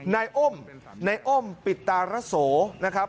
นายอ้มนายอ้มปิดตาระโสนะครับ